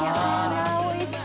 おいしそう！